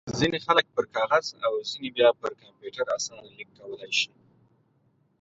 ځينې خلک پر کاغذ او ځينې بيا پر کمپيوټر اسانه ليک کولای شي.